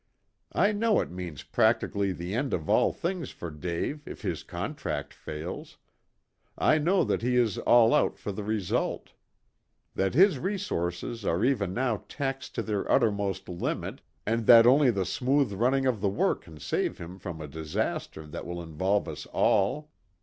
"I know it means practically the end of all things for Dave if his contract fails. I know that he is all out for the result. That his resources are even now taxed to their uttermost limit, and that only the smooth running of the work can save him from a disaster that will involve us all.